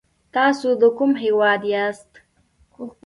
تاسو د کوم هېواد یاست ؟